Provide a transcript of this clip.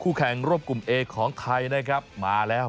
คู่แข่งรวมกลุ่มเอกซ์ของไทยมาแล้ว